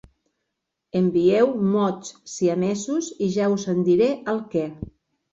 Envieu mots siamesos i ja us en diré el què.